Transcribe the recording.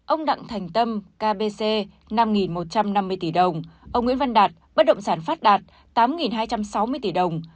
ông đặng thành tâm kbc năm một trăm năm mươi tỷ đồng ông nguyễn văn đạt bất động sản phát đạt tám hai trăm sáu mươi tỷ đồng